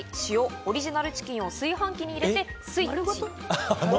オリジナルチキンを炊飯器に入れてスイッチ。